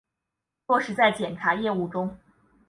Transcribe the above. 落实在检察业务中